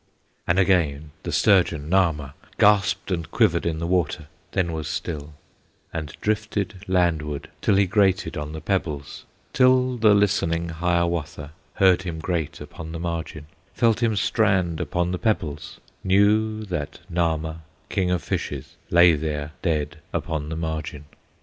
And again the sturgeon, Nahma, Gasped and quivered in the water, Then was still, and drifted landward Till he grated on the pebbles, Till the listening Hiawatha Heard him grate upon the margin, Felt him strand upon the pebbles, Knew that Nahma, King of Fishes, Lay there dead upon the margin.